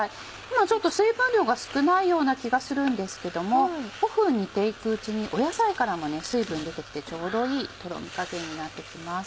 今ちょっと水分量が少ないような気がするんですけども５分煮て行くうちに野菜からも水分出て来てちょうどいいとろみ加減になって来ます。